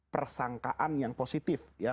persangkaan yang positif